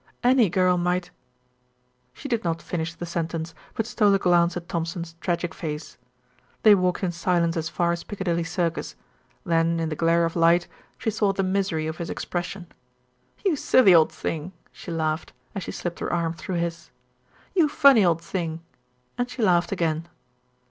Any girl might " She did not finish the sentence; but stole a glance at Thompson's tragic face. They walked in silence as far as Piccadilly Circus, then in the glare of light she saw the misery of his expression. "You silly old thing," she laughed, as she slipped her arm through his. "You funny old thing," and she laughed again.